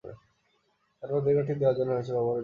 কারণ অধিকারটি দেওয়াই হয়েছে ব্যবহারের জন্য।